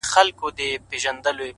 • او که هسي شین امي نیم مسلمان یې,